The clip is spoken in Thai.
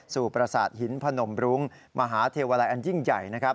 สู่ปราศาสตร์หินพนมรุงมหาเทวลัยอันยิ่งใหญ่นะครับ